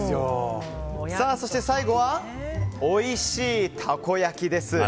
そして最後はおいしいたこ焼きです。